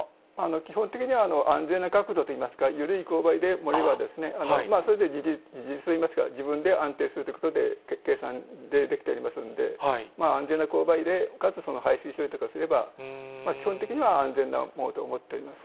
基本的には安全な角度といいますか、緩い勾配で盛れば、それで自立するといいますか、自分で安定するということで、計算でできておりますんで、安全な勾配でかつその排水処理とかをすれば、基本的には安全なものと思っております。